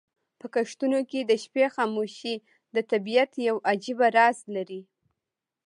په کښتونو کې د شپې خاموشي د طبیعت یو عجیب راز لري.